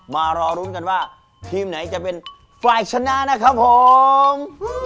มารอลุ้นกันว่าทีมไหนจะเป็นฝ่ายชนะนะครับผม